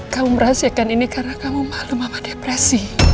kamu merahsiakan ini karena kamu malu sama depresi